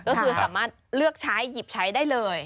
ก็คือสามารถเลือกใช้หยิบใช้ได้เลย